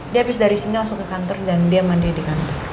dia habis dari sini langsung ke kantor dan dia mandiri di kantor